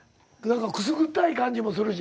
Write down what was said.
何かくすぐったい感じもするし。